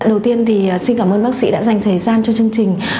đầu tiên thì xin cảm ơn bác sĩ đã dành thời gian cho chương trình